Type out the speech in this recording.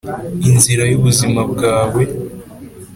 inzira y'ubuzima bwawe